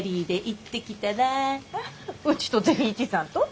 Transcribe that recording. えっうちと善一さんと？